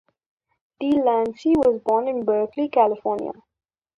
De Lancie was born in Berkeley, California.